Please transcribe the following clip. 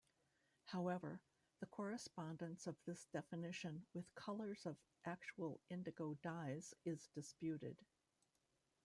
However, the correspondence of this definition with colors of actual indigo dyes is disputed.